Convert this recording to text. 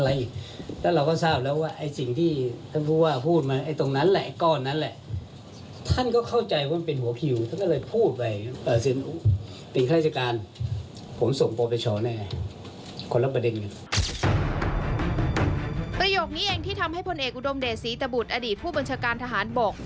ประโยคนี้เองที่ทำให้พลเอกอุดมเดชศรีตบุตรอดีตผู้บัญชาการทหารบก